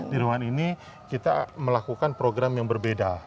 di ruangan ini kita melakukan program yang berbeda